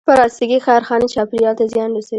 پلاستيکي کارخانې چاپېریال ته زیان رسوي.